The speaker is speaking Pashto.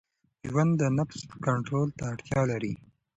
ژوند د نفس کنټرول ته اړتیا لري.